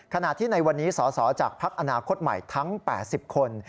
ขณะที่ในวันนี้สสจากภักดิ์อนาคตใหม่ทั้ง๘๐คน